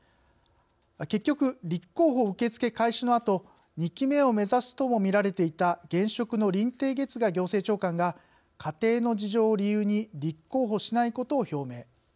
結局立候補受け付け開始のあと２期目を目指すとも見られていた現職の林鄭月娥行政長官が「家庭の事情」を理由に立候補しないことを表明。